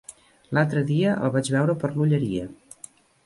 L'altre dia el vaig veure per l'Olleria.